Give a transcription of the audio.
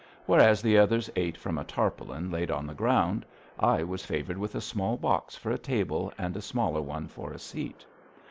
Whereas the others ate from a tarpaulin laid on the ground, I was favored with a small box for a table and a smaller one for a seat.